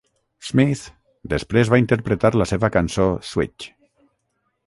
Smith després va interpretar la seva cançó "Switch".